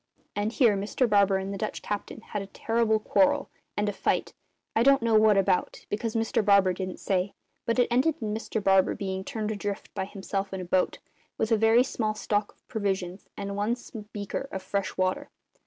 And here Mr Barber and the Dutch captain had a terrible quarrel and a fight I don't know what about, because Mr Barber didn't say, but it ended in Mr Barber being turned adrift by himself in a boat, with a small stock of provisions and one breaker of fresh water.